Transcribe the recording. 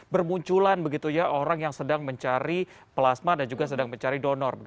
bermunculan begitu ya orang yang sedang mencari plasma dan juga sedang mencari donor